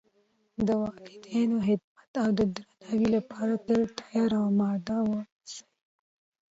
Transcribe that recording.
د والدینو خدمت او درناوۍ لپاره تل تیار او آماده و اوسئ